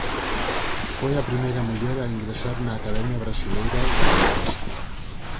Foi a primeira muller a ingresar na Academia Brasileira de Letras.